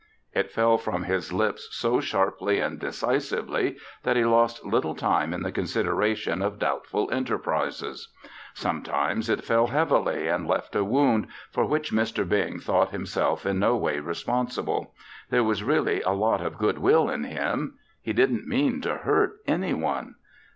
It fell from his lips so sharply and decisively that he lost little time in the consideration of doubtful enterprises. Sometimes it fell heavily and left a wound, for which Mr. Bing thought himself in no way responsible. There was really a lot of good will in him. He didn't mean to hurt any one.